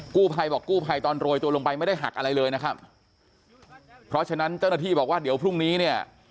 กู้ภัยบอกกู้ภัยตอนโรยตัวลงไปไม่ได้หักอะไรเลยนะครับเพราะฉะนั้นเจ้าหน้าที่บอกว่าเดี๋ยวพรุ่งนี้เนี่ย